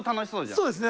そうですね。